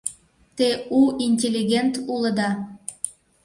— Те у интеллигент улыда...